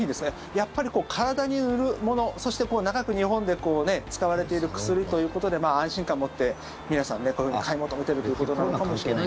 やっぱり体に塗るものそして長く日本で使われている薬ということで安心感を持って、皆さんこういうふうに買い求めてるということかもしれないです。